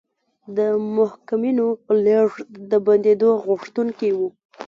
د محکومینو لېږد د بندېدو غوښتونکي وو.